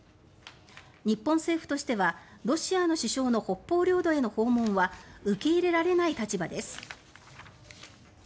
日本政府としてはロシアの首相の北方領土への訪問は受け入れられない立場です。